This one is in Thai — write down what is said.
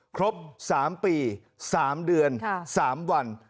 ครบ๓ปี๓เดือน๓วัน